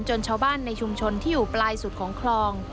ชาวบ้านในชุมชนที่อยู่ปลายสุดของคลอง